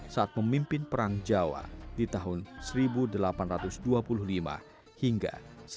saat memimpin perang jawa di tahun seribu delapan ratus dua puluh lima hingga seribu sembilan ratus sembilan puluh